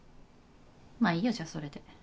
まいいよじゃあそれで。